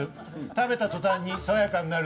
食べたとたんに爽やかになる。